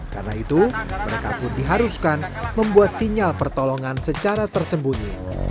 karena itu mereka pun diharuskan membuat sinyal pertolongan secara tersembunyi